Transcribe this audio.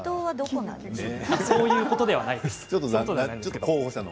そういうことではないです。